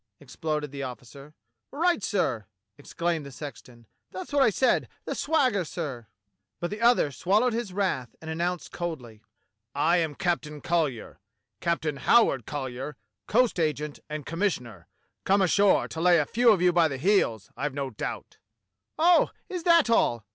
exploded the officer. "Right, sir," exclaimed the sexton, "that's what I said — the swagger, sir!" THE CAPTAIN 27 But the other swallowed his wrath and announced coldly : "I am Captain Colly er. Captain Howard Colly er, coast agent and commissioner; come ashore to lay a few of ycu by the heels, I've no doubt." "Oh! is that all?"